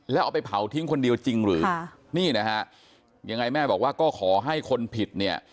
แล้วเอาไปเผาทิ้งคนเดียวจริงหรือนี่นะฮะยังไงแม่บอกว่าก็ขอให้คนผิดเนี่ย